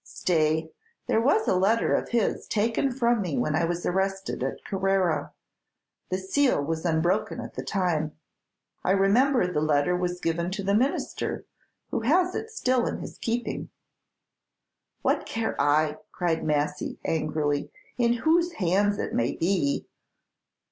Stay, there was a letter of his taken from me when I was arrested at Carrara. The seal was unbroken at the time." "I remember the letter was given to the Minister, who has it still in his keeping." "What care I," cried Massy, angrily, "in whose hands it may be?"